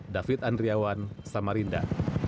david andriawan samarinda